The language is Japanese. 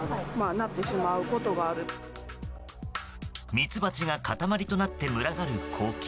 ミツバチが塊となって群がる光景。